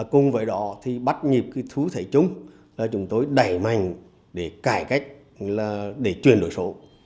cùng với đó thì bắt nhịp thú thể chúng là chúng tôi đẩy mạnh để cải cách để truyền đổi số